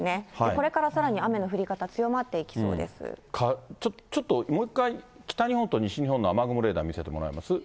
これからさらに雨の降り方、強まっちょっともう一回、北日本と西日本の雨雲レーダー見せてもらえます？